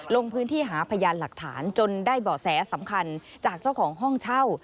ลงพื้นที่หาพยานหลักฐานจนได้เบาะแสสำคัญจากเจ้าของห้องเช่า